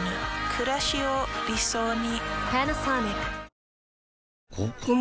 くらしを理想に。